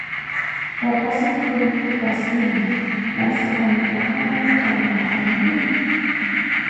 Raphassi khuri kâssila, maassi ontaka na kuthane vahaline?